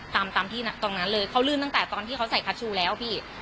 ตามตามที่ตรงนั้นเลยเขาลื่นตั้งแต่ตอนที่เขาใส่คัชชูแล้วพี่